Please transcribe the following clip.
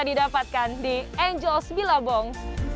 didapatkan di angels bilabong